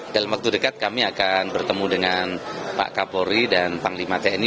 dalam waktu dekat kami akan bertemu dengan pak kapolri dan panglima tni